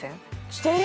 してる！